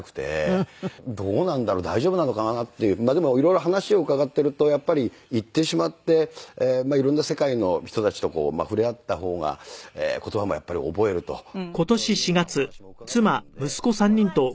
まあでも色々話を伺っているとやっぱり行ってしまって色んな世界の人たちと触れ合った方が言葉もやっぱり覚えるというようなお話も伺っていたので。